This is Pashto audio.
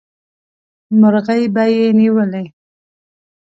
مرغۍ به یې نیولې.